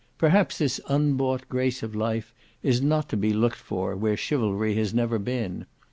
Perhaps this unbought grace of life is not to be looked for where chivalry has never been.